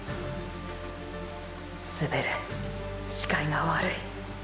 滑る視界が悪い。